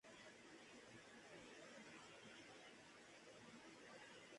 Logró perforar las redes en dos ocasiones en este torneo.